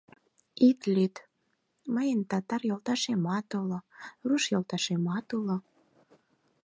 Ит лӱд, мыйын татар йолташемат уло, руш йолташемат уло!